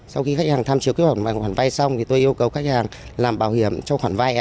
sau khi khách hàng tham chiếu kích hoạt quản vay xong tôi yêu cầu khách hàng làm bảo hiểm cho quản vay